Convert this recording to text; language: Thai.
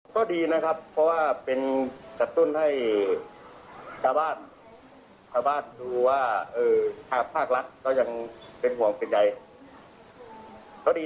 เขาได้ฉีดเพื่อ